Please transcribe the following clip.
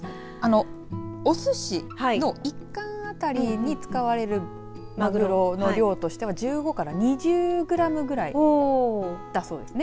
おすしの１貫当たりに使われるまぐろの量としては１５から２０グラムぐらいだそうですね。